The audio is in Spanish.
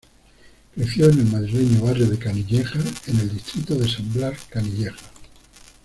Creció en el madrileño barrio de Canillejas, en el distrito de San Blas-Canillejas.